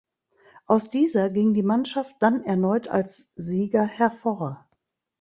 Aus dieser ging die Mannschaft dann erneut als Sieger hervor.